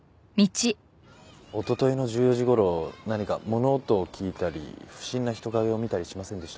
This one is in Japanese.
おとといの１４時頃何か物音を聞いたり不審な人影を見たりしませんでしたか？